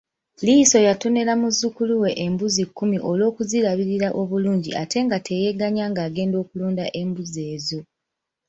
Liiso yatonera muzzukulu we embuzi kkumi olw’okuzirabirira obulungi ate nga teyeeganya ng’agenda okulunda embuzi ezo.